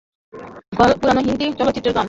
পুরানো হিন্দি চলচ্চিত্রের গান।